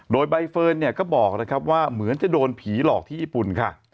โดยใบเฟิร์นเนี่ยก็บอกนะครับว่าเหมือนจะโดนผีหลอกที่ญี่ปุ่นค่ะ